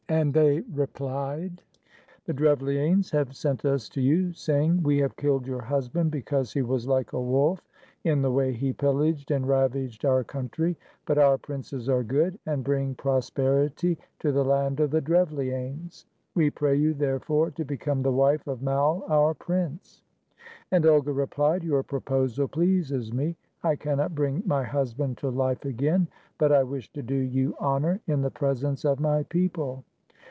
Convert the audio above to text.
And they re plied, "The Drevlianes have sent us to you, saying, 'We have killed your husband because he was like a wolf in the way he pillaged and ravaged our country, but our princes are good, and bring prosperity to the land of the Drevlianes. We pray you, therefore, to become the wife 23 RUSSIA of Mai, our prince.' " And Olga replied: "Your proposal pleases me; I cannot bring my husband to life again, but I wish to do you honor in the presence of my people.